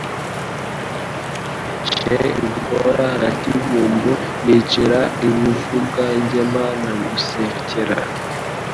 Niciye i Bushora na Kibumbu, nicira i Buvugangema na Musekera,